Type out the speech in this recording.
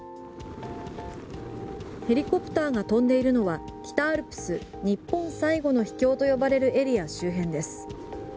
ヘリコプターが飛んでいるのは北アルプス、日本最後の秘境と呼ばれるエリア周辺です。